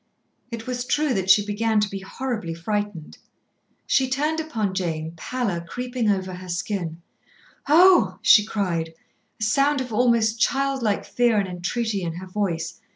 It was true that she began to be horribly frightened. She turned upon Jane, pallor creeping over her skin. "Oh!" she cried, a sound of almost child like fear and entreaty in her voice.